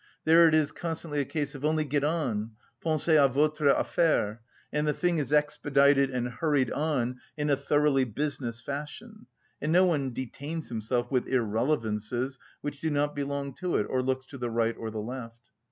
There it is constantly a case of "Only get on! Pensez à votre affaire!" and the thing is expedited and hurried on in a thoroughly business fashion, and no one detains himself with irrelevances which do not belong to it, or looks to the right or the left.